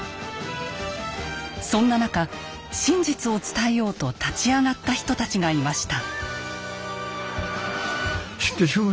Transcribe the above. そんな中真実を伝えようと立ち上がった人たちがいました。